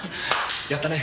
やったね。